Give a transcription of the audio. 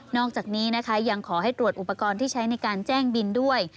อกจากนี้นะคะยังขอให้ตรวจอุปกรณ์ที่ใช้ในการแจ้งบินด้วย